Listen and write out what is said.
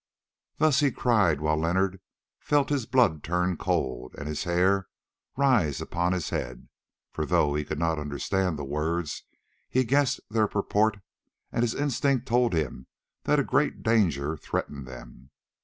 Thus he cried while Leonard felt his blood turn cold and his hair rise upon his head, for though he could not understand the words, he guessed their purport and his instinct told him that a great danger threatened them.